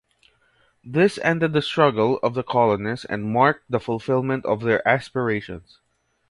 This ended the struggle of the colonists and marked the fulfillment of their aspirations.